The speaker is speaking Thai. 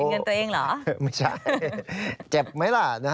เงินตัวเองเหรอไม่ใช่เจ็บไหมล่ะ